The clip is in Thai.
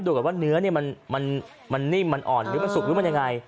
ก่อนว่าเนื้อนี่มันนิ่มมันอ่อนหรือมันสุกหรือมันยังไง